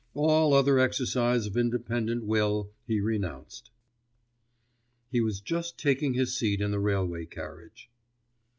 all other exercise of independent will he renounced. He was just taking his seat in the railway carriage.